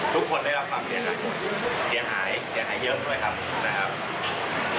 ทุกคนได้รับความเสียหายหมดเสียหายเสียหายเสียหายเยอะด้วยครับนะครับ